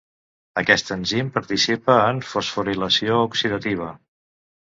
Aquest enzim participa en fosforilació oxidativa.